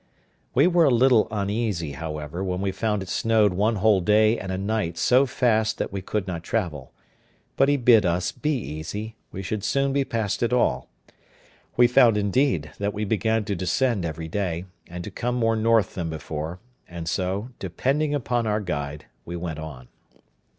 We were a little uneasy, however, when we found it snowed one whole day and a night so fast that we could not travel; but he bid us be easy; we should soon be past it all: we found, indeed, that we began to descend every day, and to come more north than before; and so, depending upon our guide, we went on.